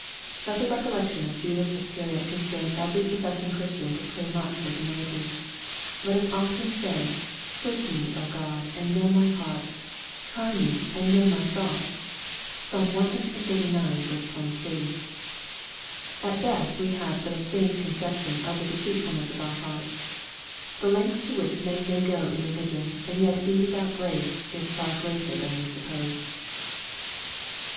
Let the recollection of Judas Iscariot constrain every professing Christian to pray much for humility. Let us often say, ^^ Search me, 0 God, and know my heart : try me, and know my thoughts/' (Psa. cxxxix. 23.) At best we have but a faint conception of the deceitfulness of our hearts. The lengths to which men may go in religion, and yet be without grace, is far greater than we suppose.